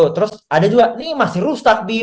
terus ada juga ini masih rusak bima